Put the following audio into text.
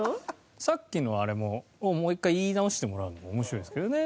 さっきのあれをもう一回言い直してもらうのも面白いですけどね。